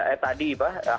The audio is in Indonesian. eh tadi pak